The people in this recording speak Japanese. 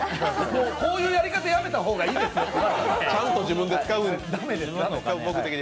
もうこういうやり方やめた方がいいですよと。